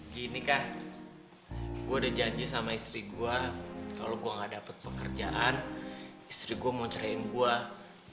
gini kak gue ada janji sama istri gue kalau gue gak dapat pekerjaan istri gue mau ceritain gue